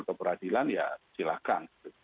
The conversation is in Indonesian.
ke peradilan ya silahkan